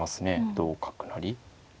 同角成。